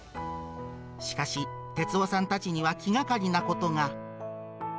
しかし、哲生さんたちには気がかりなことが。